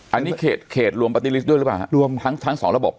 อันนี้เขตรวมปฏิฤทธิ์ด้วยหรือเปล่าทั้ง๒ระบบ